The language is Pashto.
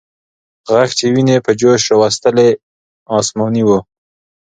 ږغ چې ويني په جوش راوستلې، آسماني و.